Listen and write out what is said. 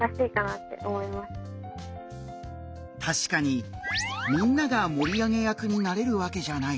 確かにみんなが盛り上げ役になれるわけじゃない。